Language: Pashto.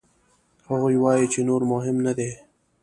هغوی وايي چې نور مهم نه دي.